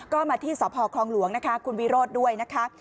ก็มาที่สพคลองหลวงนะคะคุณวิโรธด้วยนะคะ